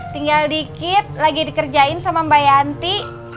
tinggal dikit lagi dikerjain sama mbak yanti